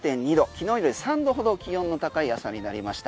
昨日より３度ほど気温の高い朝になりました。